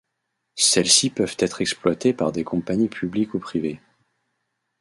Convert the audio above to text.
Celles-ci peuvent être exploitées par des compagnies publiques ou privées.